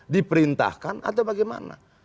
diperintahkan atau bagaimana